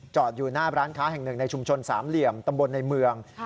อยู่หน้าร้านค้าแห่งหนึ่งในชุมชนสามเหลี่ยมตำบลในเมือง